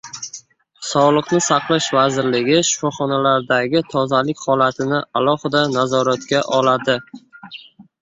Sog‘liqni saqlash vazirligi shifoxonalardagi tozalik holatini alohida nazoratga oldi